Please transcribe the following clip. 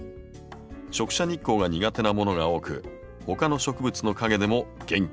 直射日光が苦手なものが多く他の植物の陰でも元気に育ちます。